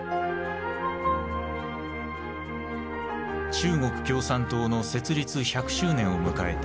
中国共産党の設立１００周年を迎えた